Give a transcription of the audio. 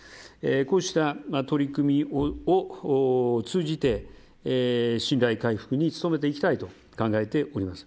こうした取り組みを通じて信頼回復に努めていきたいと考えております。